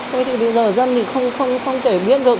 thế thì bây giờ dân thì không thể biết được